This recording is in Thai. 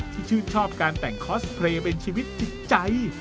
ชื่นชอบการแต่งคอสเพลย์เป็นชีวิตจิตใจ